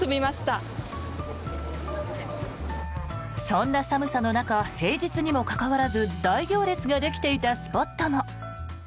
そんな寒さの中平日にもかかわらず大行列ができていたスポットも。